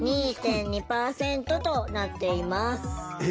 え！？